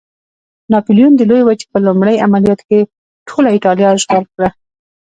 ناپلیون د لویې وچې په لومړي عملیاتو کې ټوله اېټالیا اشغال کړه.